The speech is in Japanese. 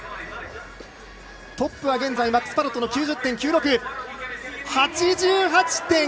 トップは現在マックス・パロットの９０．０６。